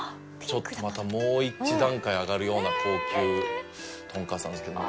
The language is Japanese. ちょっとまたもう一段階上がるような高級トンカツなんですけどね。